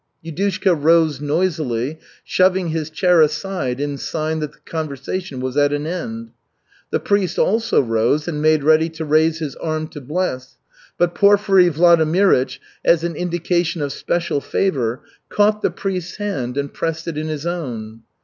Yudushka rose noisily, shoving his chair aside in sign that the conversation was at an end. The priest also rose and made ready to raise his arm to bless, but Porfiry Vladimirych, as an indication of special favor, caught the priest's hand and pressed it in his own.